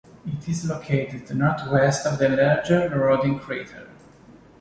It is located northwest of the larger Rodin crater.